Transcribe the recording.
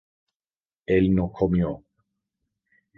él no comió